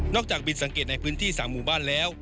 จากบินสังเกตในพื้นที่๓หมู่บ้านแล้ว